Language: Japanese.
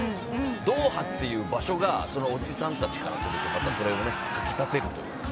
ドーハという場所がおじさんたちからすると、それをかき立てるというか。